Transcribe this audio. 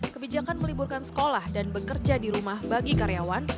kebijakan meliburkan sekolah dan bekerja di rumah bagi karyawan